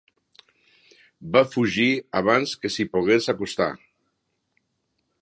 Va fugir abans que s'hi pogués acostar.